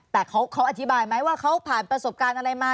แต่เขาอธิบายไหมว่าเขาผ่านประสบการณ์อะไรมา